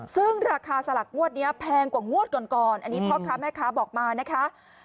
ซึ่งราคาสลักงวดนี้แพงกว่างวดก่อนก่อนอันนี้พ่อค้าแม่ค้าบอกมานะคะ